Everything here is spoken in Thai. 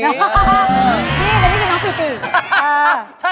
นี่นี้คืนน้องซูต่ือ